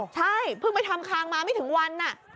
ใช่เพิ่งไปทำคางมาไม่ถึงวัน